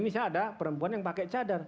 misalnya ada perempuan yang pakai cadar